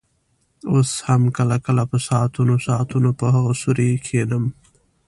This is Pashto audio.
اوس هم کله کله په ساعتونو ساعتونو په هغه سوري کښېنم.